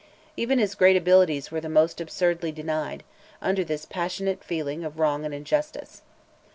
Even his great abilities were most absurdly denied, under this passionate feeling of wrong and injustice.